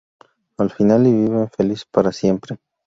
Al final y viven felices para siempre